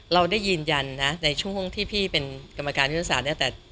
เราได้ยืนยันนะในช่วงที่พี่เป็นกรรมการยุทธศาสตร์เนี่ย